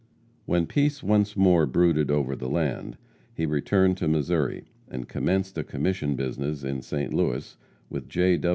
When peace once more brooded over the land, he returned to Missouri, and commenced a commission business in St. Louis, with J.